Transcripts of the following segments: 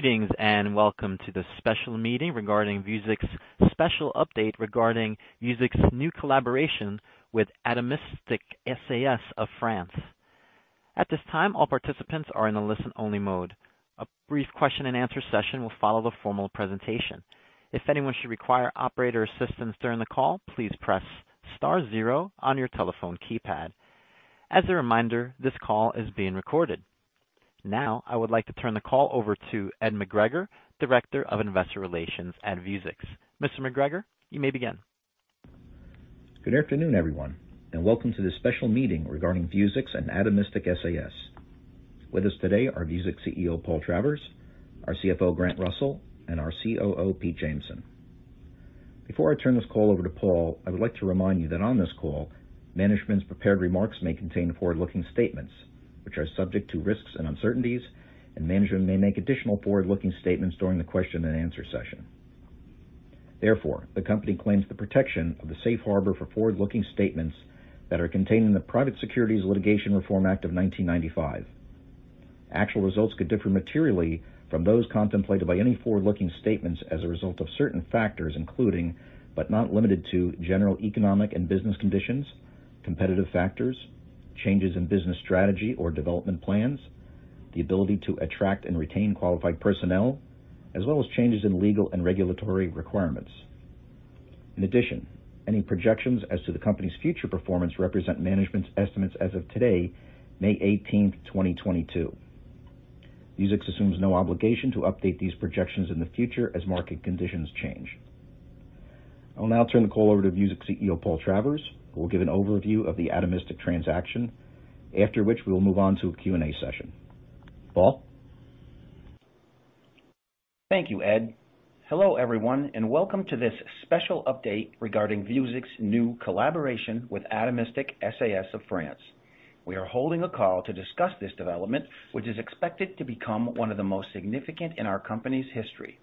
Greetings, and welcome to this special meeting regarding Vuzix's special update regarding Vuzix's new collaboration with Atomistic SAS of France. At this time, all participants are in a listen-only mode. A brief question and answer session will follow the formal presentation. If anyone should require operator assistance during the call, please press star zero on your telephone keypad. As a reminder, this call is being recorded. Now, I would like to turn the call over to Ed McGregor, Director of Investor Relations at Vuzix. Mr. McGregor, you may begin. Good afternoon, everyone, and welcome to this special meeting regarding Vuzix and Atomistic SAS. With us today are Vuzix CEO, Paul Travers, our CFO, Grant Russell, and our COO, Pete Jameson. Before I turn this call over to Paul, I would like to remind you that on this call, management's prepared remarks may contain forward-looking statements which are subject to risks and uncertainties, and management may make additional forward-looking statements during the question and answer session. Therefore, the company claims the protection of the safe harbor for forward-looking statements that are contained in the Private Securities Litigation Reform Act of 1995. Actual results could differ materially from those contemplated by any forward-looking statements as a result of certain factors, including, but not limited to, general economic and business conditions, competitive factors, changes in business strategy or development plans, the ability to attract and retain qualified personnel, as well as changes in legal and regulatory requirements. In addition, any projections as to the company's future performance represent management's estimates as of today, May 18th, 2022. Vuzix assumes no obligation to update these projections in the future as market conditions change. I'll now turn the call over to Vuzix CEO, Paul Travers, who will give an overview of the Atomistic transaction, after which we will move on to a Q&A session. Paul? Thank you, Ed. Hello, everyone, and welcome to this special update regarding Vuzix's new collaboration with Atomistic SAS of France. We are holding a call to discuss this development, which is expected to become one of the most significant in our company's history,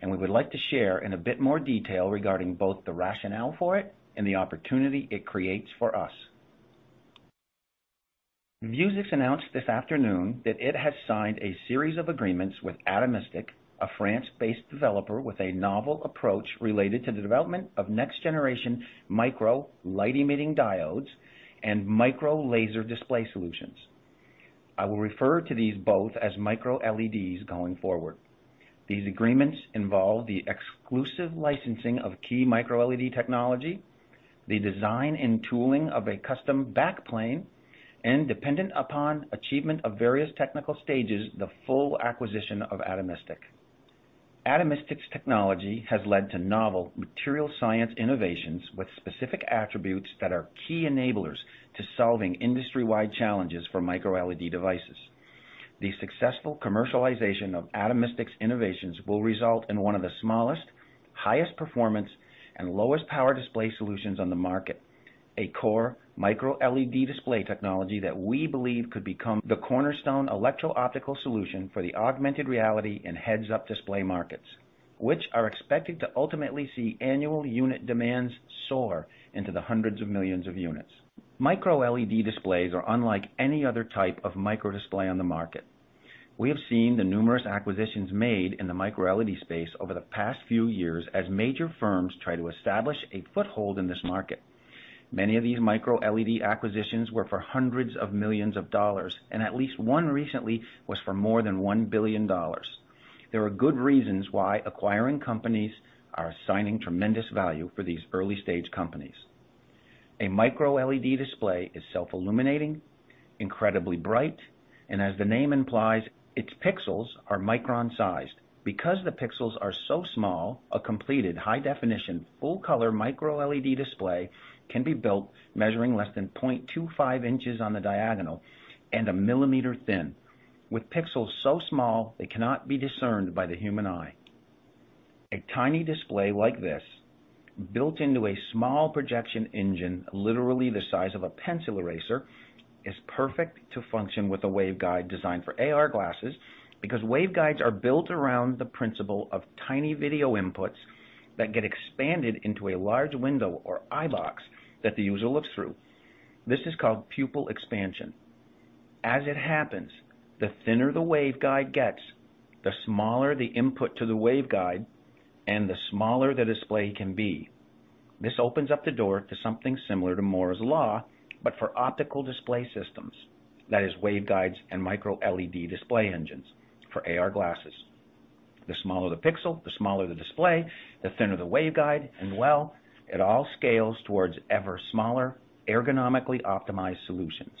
and we would like to share in a bit more detail regarding both the rationale for it and the opportunity it creates for us. Vuzix announced this afternoon that it has signed a series of agreements with Atomistic, a France-based developer with a novel approach related to the development of next-generation micro light-emitting diodes and micro laser display solutions. I will refer to these both as microLEDs going forward. These agreements involve the exclusive licensing of key microLED technology, the design and tooling of a custom back plane, and dependent upon achievement of various technical stages, the full acquisition of Atomistic. Atomistic's technology has led to novel materials science innovations with specific attributes that are key enablers to solving industry-wide challenges for microLED devices. The successful commercialization of Atomistic's innovations will result in one of the smallest, highest performance, and lowest power display solutions on the market, a core microLED display technology that we believe could become the cornerstone electro-optical solution for the augmented reality and heads-up display markets, which are expected to ultimately see annual unit demands soar into the hundreds of millions of units. MicroLED displays are unlike any other type of microdisplay on the market. We have seen the numerous acquisitions made in the microLED space over the past few years as major firms try to establish a foothold in this market. Many of these microLED acquisitions were for hundreds of millions of dollars, and at least one recently was for more than $1 billion. There are good reasons why acquiring companies are assigning tremendous value for these early-stage companies. A microLED display is self-illuminating, incredibly bright, and as the name implies, its pixels are micron-sized. Because the pixels are so small, a completed high-definition full-color microLED display can be built measuring less than 0.25 inches on the diagonal and a millimeter thin, with pixels so small they cannot be discerned by the human eye. A tiny display like this, built into a small projection engine, literally the size of a pencil eraser, is perfect to function with a waveguide designed for AR glasses because waveguides are built around the principle of tiny video inputs that get expanded into a large window or eye box that the user looks through. This is called pupil expansion. As it happens, the thinner the waveguide gets, the smaller the input to the waveguide and the smaller the display can be. This opens up the door to something similar to Moore's Law, but for optical display systems, that is, waveguides and microLED display engines for AR glasses. The smaller the pixel, the smaller the display, the thinner the waveguide, and well, it all scales towards ever smaller, ergonomically optimized solutions.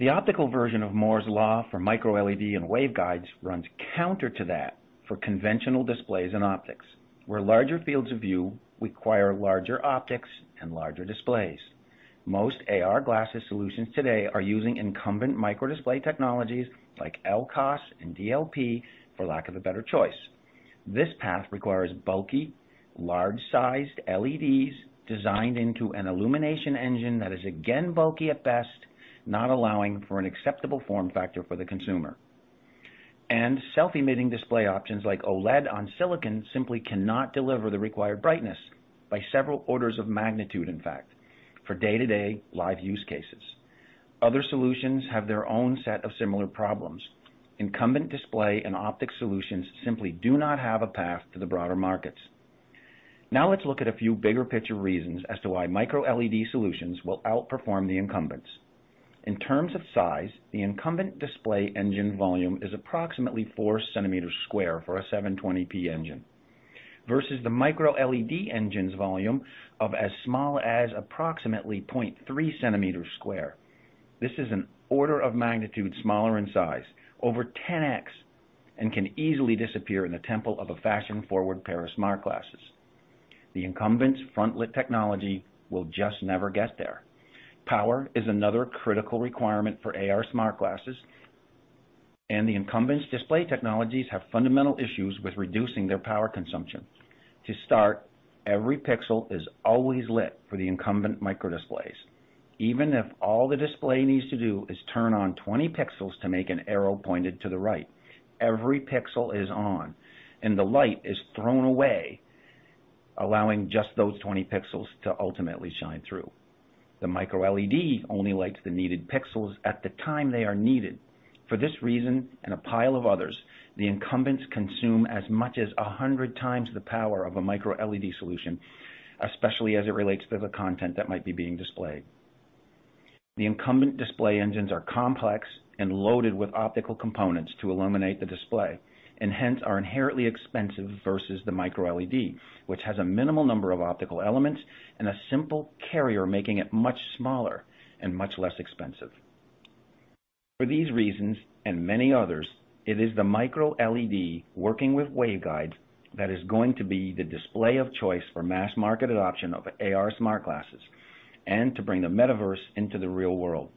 The optical version of Moore's Law for microLED and waveguides runs counter to that for conventional displays and optics, where larger fields of view require larger optics and larger displays. Most AR glasses solutions today are using incumbent microdisplay technologies like LCOS and DLP for lack of a better choice. This path requires bulky, large-sized LEDs designed into an illumination engine that is again bulky at best, not allowing for an acceptable form factor for the consumer. Self-emitting display options like OLED on silicon simply cannot deliver the required brightness by several orders of magnitude, in fact. For day-to-day live use cases. Other solutions have their own set of similar problems. Incumbent display and optic solutions simply do not have a path to the broader markets. Now let's look at a few bigger picture reasons as to why microLED solutions will outperform the incumbents. In terms of size, the incumbent display engine volume is approximately 4 cm square for a 720p engine, versus the microLED engine's volume of as small as approximately 0.3 cm square. This is an order of magnitude smaller in size, over 10x, and can easily disappear in the temple of a fashion-forward pair of smart glasses. The incumbent's front lit technology will just never get there. Power is another critical requirement for AR smart glasses, and the incumbents display technologies have fundamental issues with reducing their power consumption. To start, every pixel is always lit for the incumbent micro displays. Even if all the display needs to do is turn on 20 pixels to make an arrow pointed to the right, every pixel is on, and the light is thrown away, allowing just those 20 pixels to ultimately shine through. The micro LED only lights the needed pixels at the time they are needed. For this reason, and a pile of others, the incumbents consume as much as 100x the power of a micro LED solution, especially as it relates to the content that might be being displayed. The incumbent display engines are complex and loaded with optical components to illuminate the display, and hence are inherently expensive versus the microLED, which has a minimal number of optical elements and a simple carrier, making it much smaller and much less expensive. For these reasons and many others, it is the microLED working with waveguide that is going to be the display of choice for mass-market adoption of AR smart glasses and to bring the metaverse into the real world.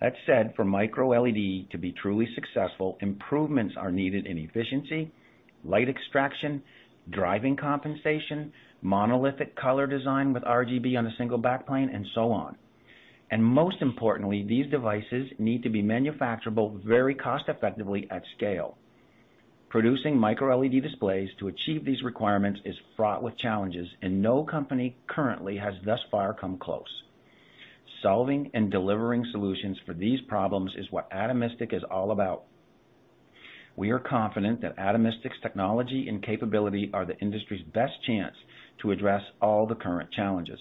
That said, for microLED to be truly successful, improvements are needed in efficiency, light extraction, driving compensation, monolithic color design with RGB on a single back plane, and so on. Most importantly, these devices need to be manufacturable very cost effectively at scale. Producing microLED displays to achieve these requirements is fraught with challenges, and no company currently has thus far come close. Solving and delivering solutions for these problems is what Atomistic is all about. We are confident that Atomistic's technology and capability are the industry's best chance to address all the current challenges.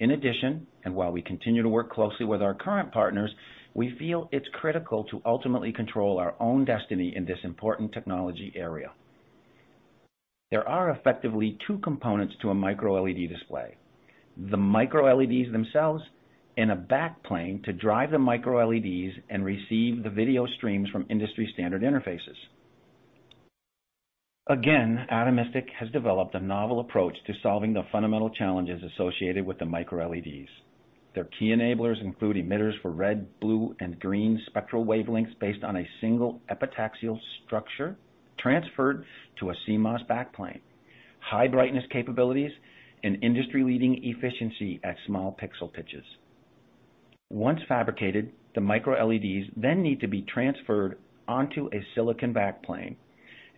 In addition, and while we continue to work closely with our current partners, we feel it's critical to ultimately control our own destiny in this important technology area. There are effectively two components to a microLED display, the micro-LEDs themselves and a backplane to drive the microLEDs and receive the video streams from industry standard interfaces. Again, Atomistic has developed a novel approach to solving the fundamental challenges associated with the microLEDs. Their key enablers include emitters for red, blue, and green spectral wavelengths based on a single epitaxial structure transferred to a CMOS backplane, high brightness capabilities, and industry-leading efficiency at small pixel pitches. Once fabricated, the microLEDs then need to be transferred onto a silicon back plane,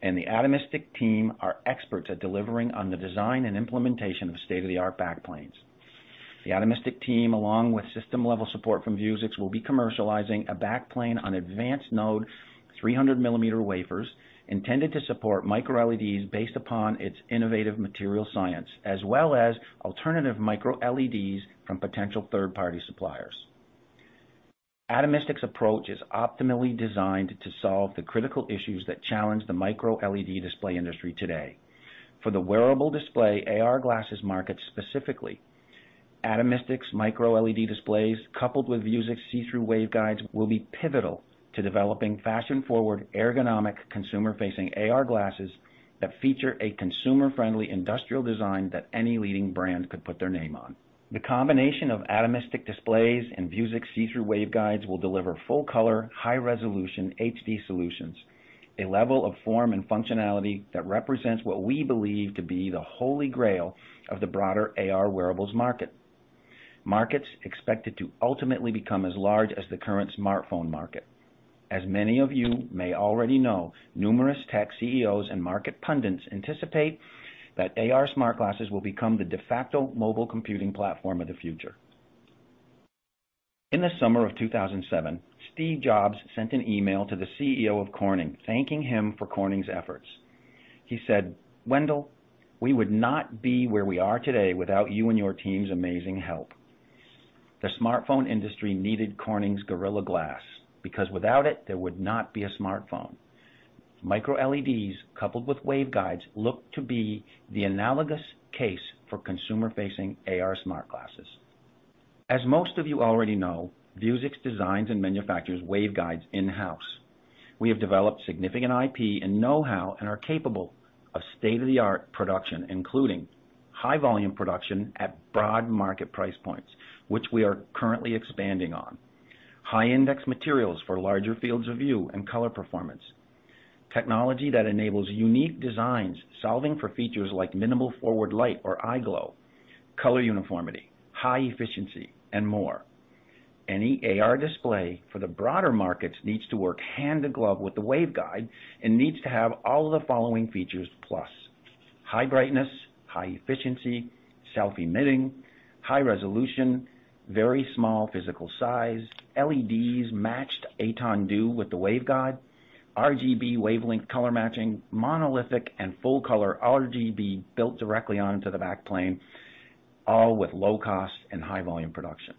and the Atomistic team are experts at delivering on the design and implementation of state-of-the-art back planes. The Atomistic team, along with system-level support from Vuzix, will be commercializing a back plane on advanced node 300 mm wafers intended to support microLEDs based upon its innovative materials science, as well as alternative microLEDs from potential third-party suppliers. Atomistic's approach is optimally designed to solve the critical issues that challenge the microLED display industry today. For the wearable display AR glasses market specifically, Atomistic's microLED displays coupled with Vuzix see-through waveguides will be pivotal to developing fashion-forward, ergonomic consumer-facing AR glasses that feature a consumer-friendly industrial design that any leading brand could put their name on. The combination of Atomistic displays and Vuzix see-through waveguides will deliver full color, high resolution HD solutions, a level of form and functionality that represents what we believe to be the holy grail of the broader AR wearables market. Markets expected to ultimately become as large as the current smartphone market. As many of you may already know, numerous tech CEOs and market pundits anticipate that AR smart glasses will become the de facto mobile computing platform of the future. In the summer of 2007, Steve Jobs sent an email to the CEO of Corning thanking him for Corning's efforts. He said, "Wendell, we would not be where we are today without you and your team's amazing help." The smartphone industry needed Corning's Gorilla Glass because without it, there would not be a smartphone. MicroLEDs coupled with waveguides look to be the analogous case for consumer-facing AR smart glasses. As most of you already know, Vuzix designs and manufactures waveguides in-house. We have developed significant IP and know-how and are capable of state-of-the-art production, including high volume production at broad market price points, which we are currently expanding on. High index materials for larger fields of view and color performance. Technology that enables unique designs solving for features like minimal forward light or eye glow, color uniformity, high efficiency, and more. Any AR display for the broader markets needs to work hand in glove with the waveguide and needs to have all of the following features, plus high brightness, high efficiency, self-emitting, high resolution, very small physical size, LEDs matched and tuned to the waveguide, RGB wavelength color matching, monolithic and full color RGB built directly onto the back plane, all with low cost and high volume production.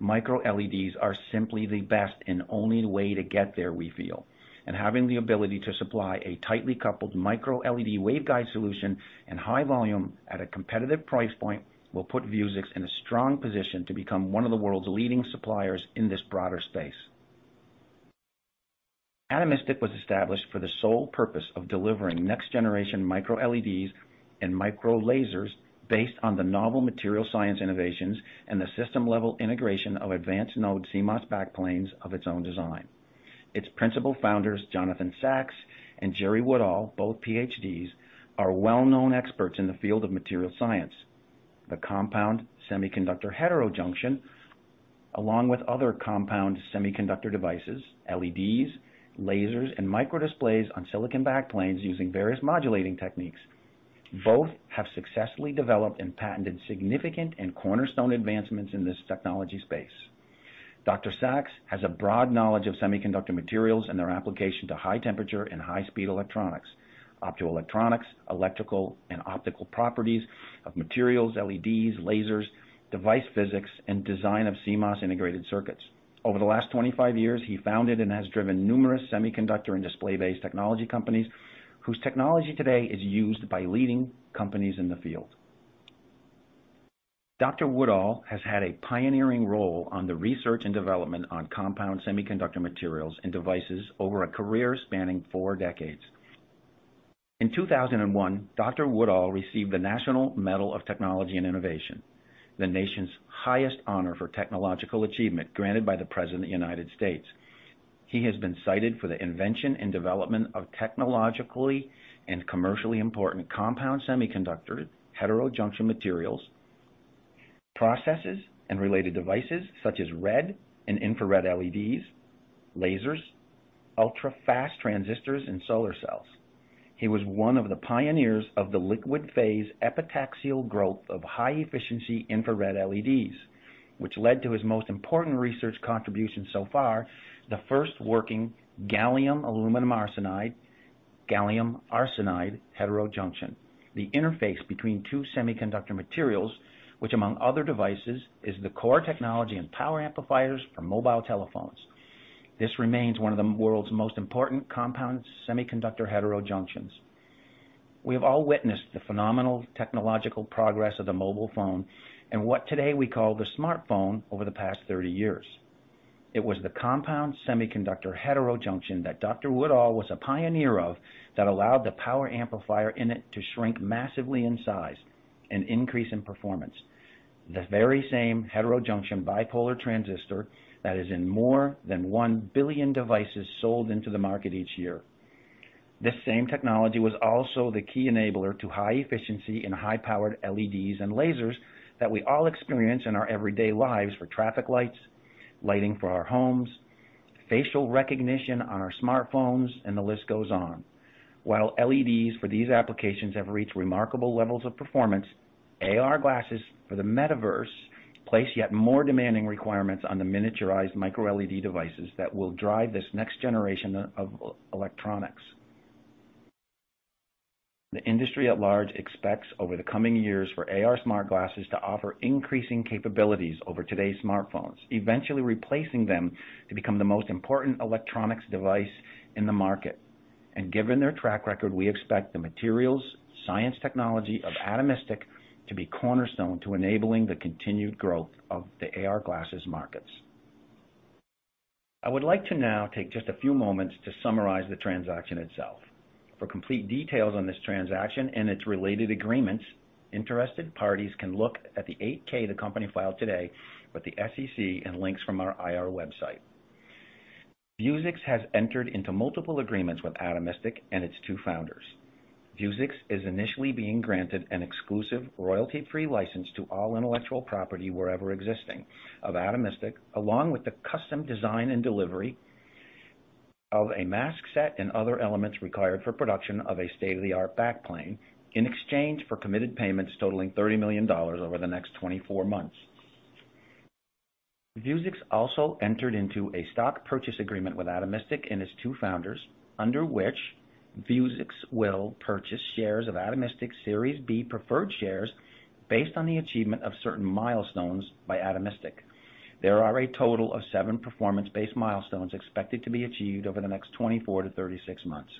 Micro LEDs are simply the best and only way to get there, we feel. Having the ability to supply a tightly coupled micro LED waveguide solution and high volume at a competitive price point will put Vuzix in a strong position to become one of the world's leading suppliers in this broader space. Atomistic was established for the sole purpose of delivering next generation micro LEDs and micro lasers based on the novel materials science innovations and the system-level integration of advanced node CMOS backplanes of its own design. Its principal founders, Jonathan Sachs and Jerry Woodall, both Ph.D.s, are well-known experts in the field of materials science. The compound semiconductor heterojunction, along with other compound semiconductor devices, LEDs, lasers, and microdisplays on silicon backplanes using various modulating techniques, both have successfully developed and patented significant and cornerstone advancements in this technology space. Dr. Sachs has a broad knowledge of semiconductor materials and their application to high temperature and high-speed electronics, optoelectronics, electrical and optical properties of materials, LEDs, lasers, device physics, and design of CMOS integrated circuits. Over the last 25 years, he founded and has driven numerous semiconductor and display-based technology companies whose technology today is used by leading companies in the field. Dr. Woodall has had a pioneering role in the research and development of compound semiconductor materials and devices over a career spanning four decades. In 2001, Dr. Woodall received the National Medal of Technology and Innovation, the nation's highest honor for technological achievement, granted by the President of the United States. He has been cited for the invention and development of technologically and commercially important compound semiconductor heterojunction materials, processes, and related devices such as red and infrared LEDs, lasers, ultra-fast transistors, and solar cells. He was one of the pioneers of the liquid phase epitaxial growth of high-efficiency infrared LEDs, which led to his most important research contribution so far, the first working gallium aluminum arsenide, gallium arsenide heterojunction. The interface between two semiconductor materials, which among other devices, is the core technology and power amplifiers for mobile telephones. This remains one of the world's most important compound semiconductor heterojunctions. We have all witnessed the phenomenal technological progress of the mobile phone and what today we call the smartphone over the past 30 years. It was the compound semiconductor heterojunction that Dr. Woodall was a pioneer of that allowed the power amplifier in it to shrink massively in size and increase in performance. The very same heterojunction bipolar transistor that is in more than 1 billion devices sold into the market each year. This same technology was also the key enabler to high efficiency in high-powered LEDs and lasers that we all experience in our everyday lives for traffic lights, lighting for our homes, facial recognition on our smartphones, and the list goes on. While LEDs for these applications have reached remarkable levels of performance, AR glasses for the metaverse place yet more demanding requirements on the miniaturized microLED devices that will drive this next generation of electronics. The industry at large expects over the coming years for AR smart glasses to offer increasing capabilities over today's smartphones, eventually replacing them to become the most important electronics device in the market. Given their track record, we expect the materials science technology of Atomistic to be cornerstone to enabling the continued growth of the AR glasses markets. I would like to now take just a few moments to summarize the transaction itself. For complete details on this transaction and its related agreements, interested parties can look at the 8-K the company filed today with the SEC and links from our IR website. Vuzix has entered into multiple agreements with Atomistic and its two founders. Vuzix is initially being granted an exclusive royalty-free license to all intellectual property wherever existing of Atomistic, along with the custom design and delivery of a mask set and other elements required for production of a state-of-the-art back plane, in exchange for committed payments totaling $30 million over the next 24 months. Vuzix also entered into a stock purchase agreement with Atomistic and its two founders, under which Vuzix will purchase shares of Atomistic Series B preferred shares based on the achievement of certain milestones by Atomistic. There are a total of seven performance-based milestones expected to be achieved over the next 24-36 months.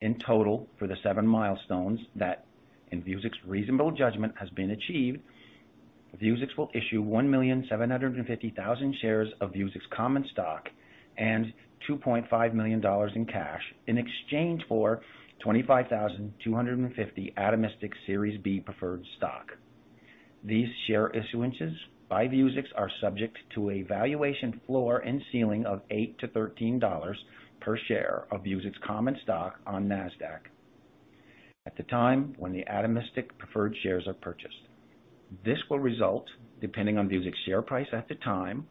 In total, for the seven milestones that in Vuzix's reasonable judgment has been achieved, Vuzix will issue 1,750,000 shares of Vuzix common stock and $2.5 million in cash in exchange for 25,250 Atomistic Series B preferred stock. These share issuances by Vuzix are subject to a valuation floor and ceiling of $8-$13 per share of Vuzix common stock on Nasdaq at the time when the Atomistic preferred shares are purchased. This will result, depending on Vuzix share price at the time,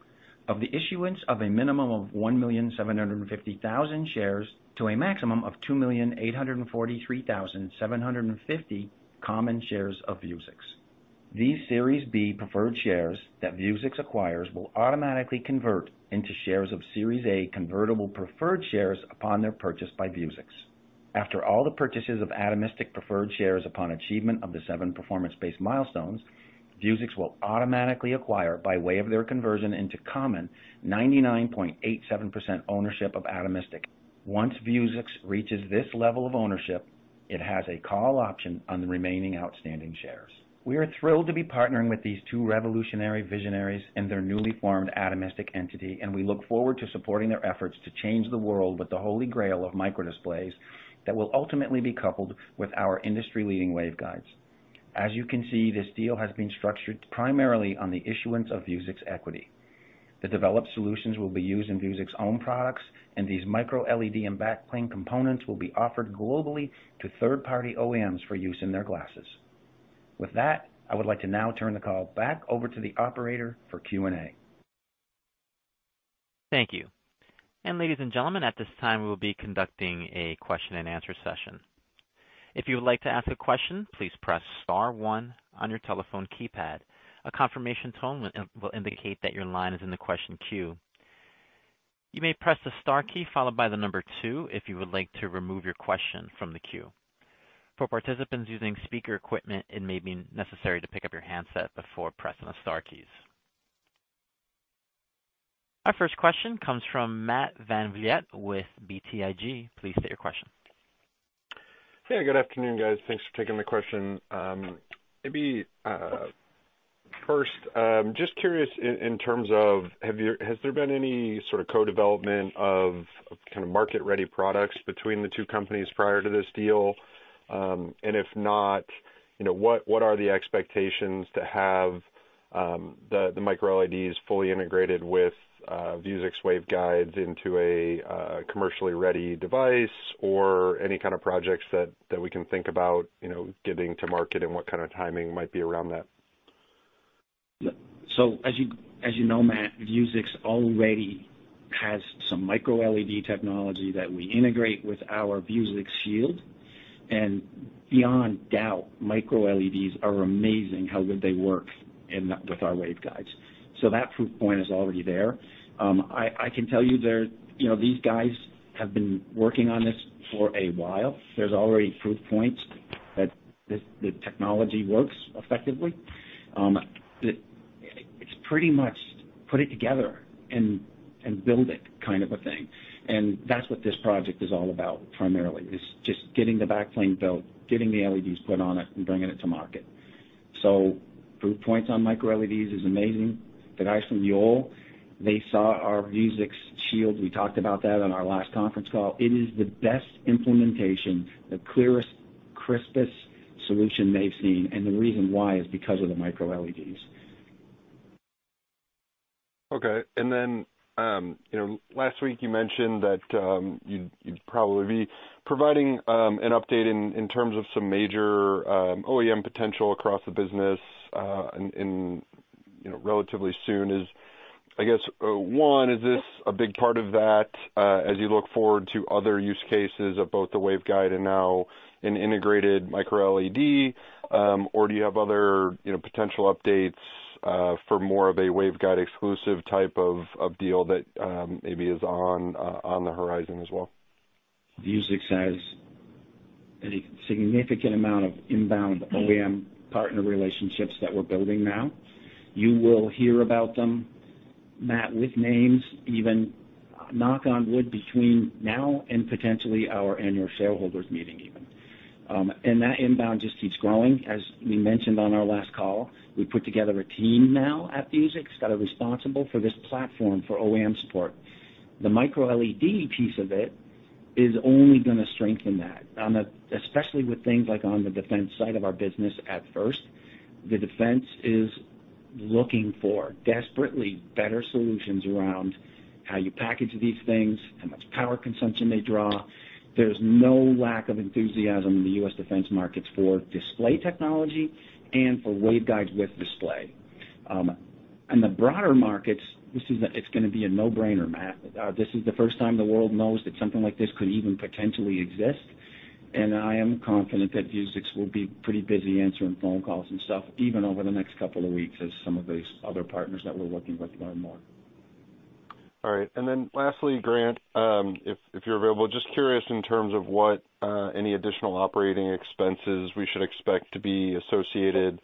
of the issuance of a minimum of 1,750,000 shares to a maximum of 2,843,750 common shares of Vuzix. These Series B preferred shares that Vuzix acquires will automatically convert into shares of Series A convertible preferred shares upon their purchase by Vuzix. After all the purchases of Atomistic preferred shares upon achievement of the seven performance-based milestones, Vuzix will automatically acquire, by way of their conversion into common, 99.87% ownership of Atomistic. Once Vuzix reaches this level of ownership, it has a call option on the remaining outstanding shares. We are thrilled to be partnering with these two revolutionary visionaries and their newly formed Atomistic entity, and we look forward to supporting their efforts to change the world with the Holy Grail of microdisplays that will ultimately be coupled with our industry-leading waveguides. As you can see, this deal has been structured primarily on the issuance of Vuzix equity. The developed solutions will be used in Vuzix own products, and these microLED and backplane components will be offered globally to third-party OEMs for use in their glasses. With that, I would like to now turn the call back over to the operator for Q&A. Thank you. Ladies and gentlemen, at this time, we will be conducting a question and answer session. If you would like to ask a question, please press star one on your telephone keypad. A confirmation tone will indicate that your line is in the question queue. You may press the star key followed by the number two if you would like to remove your question from the queue. For participants using speaker equipment, it may be necessary to pick up your handset before pressing the star keys. Our first question comes from Matt VanVliet with BTIG. Please state your question. Hey, good afternoon, guys. Thanks for taking the question. Maybe first, just curious in terms of has there been any sort of co-development of kind of market-ready products between the two companies prior to this deal? If not, you know, what are the expectations to have the microLEDs fully integrated with Vuzix waveguides into a commercially ready device or any kind of projects that we can think about, you know, getting to market and what kind of timing might be around that? As you know, Matt, Vuzix already has some microLED technology that we integrate with our Vuzix Shield. Beyond doubt, microLEDs are amazing how good they work with our waveguides. That proof point is already there. I can tell you know, these guys have been working on this for a while. There's already proof points that this technology works effectively. It's pretty much put it together and build it kind of a thing. That's what this project is all about primarily is just getting the backplane built, getting the LEDs put on it and bringing it to market. Proof points on microLEDs is amazing. The guys from Yole, they saw our Vuzix Shield. We talked about that on our last conference call. It is the best implementation, the clearest, crispest solution they've seen. The reason why is because of the microLEDs. Okay. You know, last week you mentioned that you'd probably be providing an update in terms of some major OEM potential across the business, you know, relatively soon. I guess one, is this a big part of that, as you look forward to other use cases of both the waveguide and now an integrated microLED? Or do you have other, you know, potential updates for more of a waveguide exclusive type of deal that maybe is on the horizon as well? Vuzix has a significant amount of inbound OEM partner relationships that we're building now. You will hear about them, Matt, with names even, knock on wood, between now and potentially our annual shareholders meeting even. That inbound just keeps growing. As we mentioned on our last call, we put together a team now at Vuzix that are responsible for this platform for OEM support. The microLED piece of it is only gonna strengthen that, especially with things like on the defense side of our business at first. The defense is looking desperately for better solutions around how you package these things, how much power consumption they draw. There's no lack of enthusiasm in the U.S. defense markets for display technology and for waveguides with display. On the broader markets, this is, it's gonna be a no-brainer, Matt. This is the first time the world knows that something like this could even potentially exist, and I am confident that Vuzix will be pretty busy answering phone calls and stuff even over the next couple of weeks as some of these other partners that we're working with learn more. All right. Lastly, Grant, if you're available, just curious in terms of what any additional operating expenses we should expect to be associated,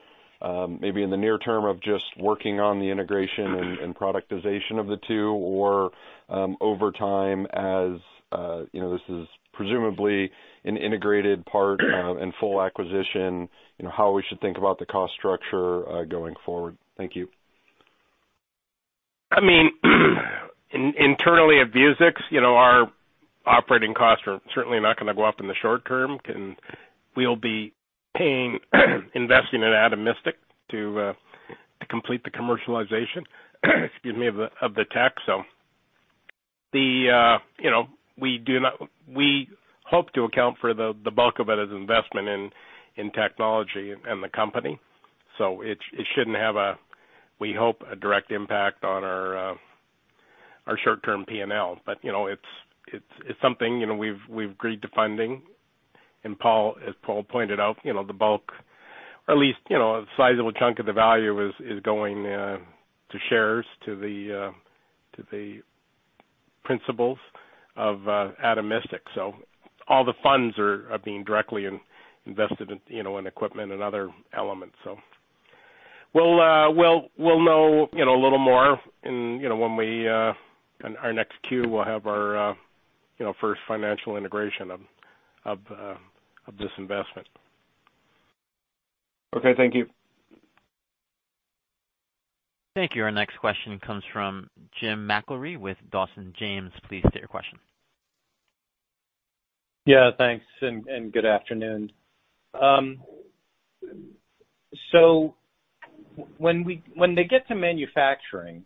maybe in the near term of just working on the integration and productization of the two or, over time as you know, this is presumably an integrated part and full acquisition, you know, how we should think about the cost structure going forward. Thank you. I mean, internally at Vuzix, you know, our operating costs are certainly not gonna go up in the short term. We'll be paying, investing in Atomistic to complete the commercialization, excuse me, of the tech. You know, we hope to account for the bulk of it as investment in technology and the company. It shouldn't have, we hope, a direct impact on our short-term P&L. You know, it's something we've agreed to funding. Paul, as Paul pointed out, you know, the bulk or at least a sizable chunk of the value is going to shares to the principals of Atomistic. All the funds are being directly invested in equipment and other elements. We'll know a little more in our next Q. We'll have our first financial integration of this investment. Okay. Thank you. Thank you. Our next question comes from Jim McIlree with Dawson James. Please state your question. Yeah. Thanks and good afternoon. When they get to manufacturing,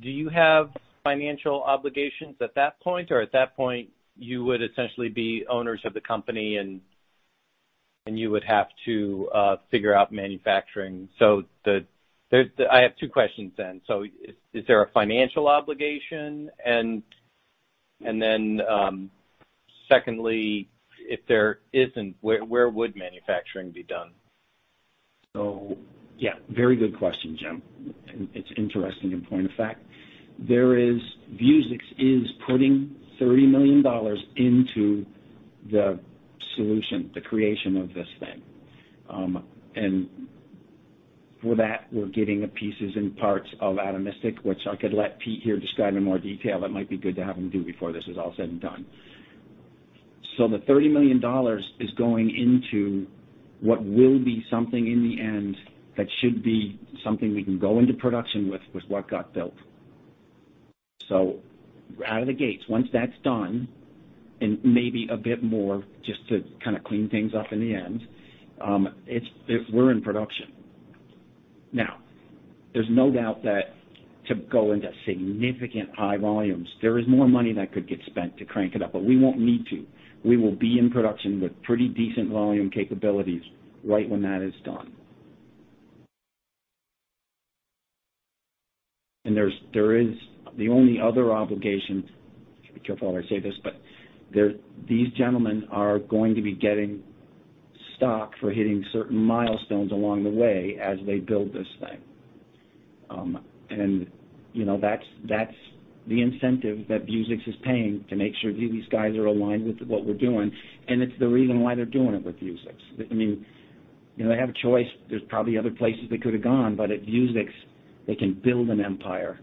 do you have financial obligations at that point, or at that point you would essentially be owners of the company and you would have to figure out manufacturing? I have two questions then. Is there a financial obligation? Then, secondly, if there isn't, where would manufacturing be done? Yeah. Very good question, Jim. It's interesting in point of fact. Vuzix is putting $30 million into the solution, the creation of this thing. And for that, we're getting the pieces and parts of Atomistic, which I could let Pete here describe in more detail. It might be good to have him do before this is all said and done. The $30 million is going into what will be something in the end that should be something we can go into production with what got built. Out of the gates, once that's done, and maybe a bit more just to kind of clean things up in the end, we're in production. Now, there's no doubt that to go into significant high volumes, there is more money that could get spent to crank it up, but we won't need to. We will be in production with pretty decent volume capabilities right when that is done. There's the only other obligation. I should be careful how I say this, but these gentlemen are going to be getting stock for hitting certain milestones along the way as they build this thing. You know, that's the incentive that Vuzix is paying to make sure these guys are aligned with what we're doing. It's the reason why they're doing it with Vuzix. I mean, you know, they have a choice. There's probably other places they could have gone, but at Vuzix, they can build an empire,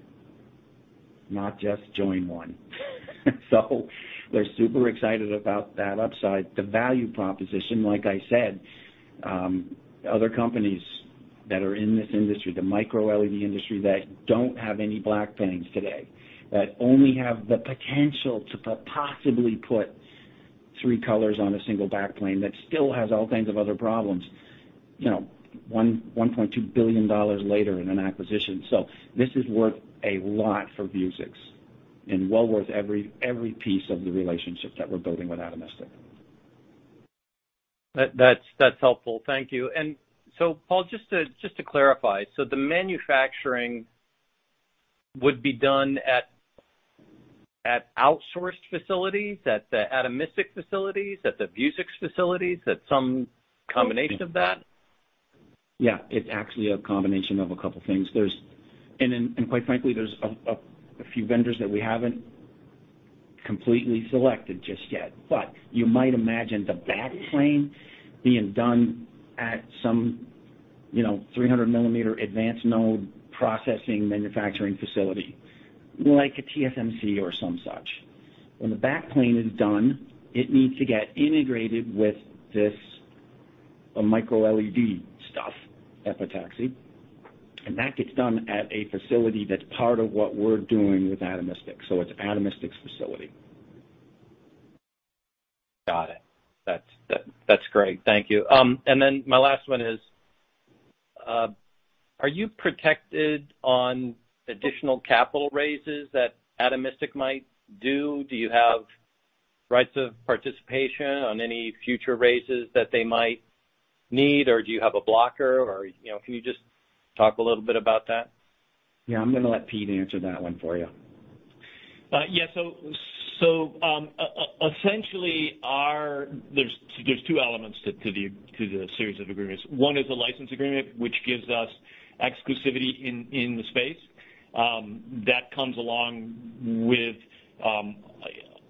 not just join one. They're super excited about that upside. The value proposition, like I said, other companies that are in this industry, the microLED industry, that don't have any backplanes today, that only have the potential to possibly put three colors on a single backplane that still has all kinds of other problems, you know, $1.2 billion later in an acquisition. This is worth a lot for Vuzix and well worth every piece of the relationship that we're building with Atomistic. That's helpful. Thank you. Paul, just to clarify, the manufacturing would be done at outsourced facilities, at the Atomistic facilities, at the Vuzix facilities, at some combination of that? Yeah. It's actually a combination of a couple things. There's a few vendors that we haven't completely selected just yet, but you might imagine the backplane being done at some, you know, 300 mm advanced node processing manufacturing facility, like a TSMC or some such. When the backplane is done, it needs to get integrated with this microLED stuff, epitaxy. That gets done at a facility that's part of what we're doing with Atomistic, so it's Atomistic's facility. Got it. That's great. Thank you. My last one is, are you protected on additional capital raises that Atomistic might do? Do you have rights of participation on any future raises that they might need, or do you have a blocker? Or, you know, can you just talk a little bit about that? Yeah. I'm gonna let Pete answer that one for you. Essentially there are two elements to the series of agreements. One is a license agreement, which gives us exclusivity in the space that comes along with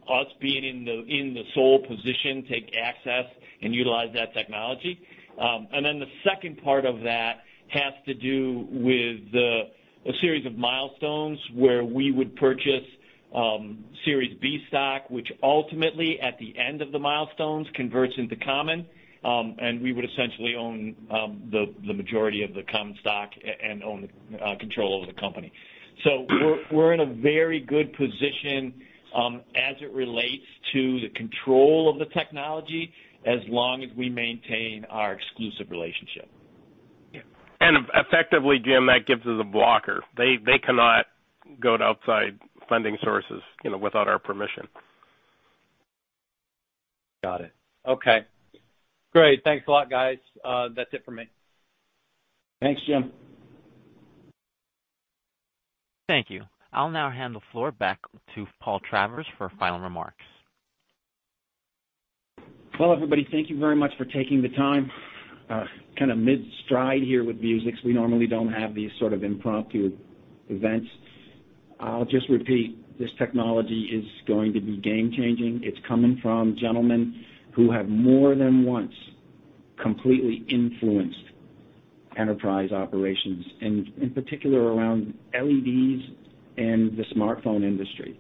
us being in the sole position to take access and utilize that technology. Then the second part of that has to do with a series of milestones where we would purchase Series B stock, which ultimately at the end of the milestones converts into common. We would essentially own the majority of the common stock and own control over the company. We're in a very good position as it relates to the control of the technology as long as we maintain our exclusive relationship. Yeah. Effectively, Jim, that gives us a blocker. They cannot go to outside funding sources, you know, without our permission. Got it. Okay. Great. Thanks a lot, guys. That's it for me. Thanks, Jim. Thank you. I'll now hand the floor back to Paul Travers for final remarks. Well, everybody, thank you very much for taking the time. Kind of mid-stride here with Vuzix. We normally don't have these sort of impromptu events. I'll just repeat, this technology is going to be game changing. It's coming from gentlemen who have more than once completely influenced enterprise operations, and in particular around LEDs and the smartphone industry.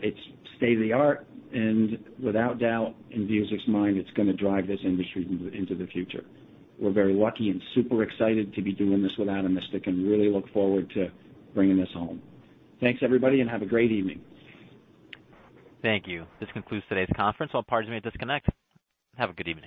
It's state-of-the-art, and without doubt in Vuzix's mind, it's gonna drive this industry into the future. We're very lucky and super excited to be doing this with Atomistic and really look forward to bringing this home. Thanks, everybody, and have a great evening. Thank you. This concludes today's conference. All parties may disconnect. Have a good evening.